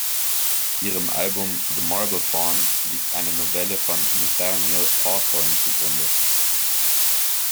Ihrem Album „The Marble Faun“ liegt eine Novelle von Nathaniel Hawthorne zu Grunde.